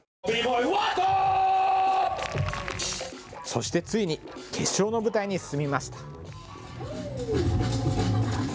そしてついに決勝の舞台に進みました。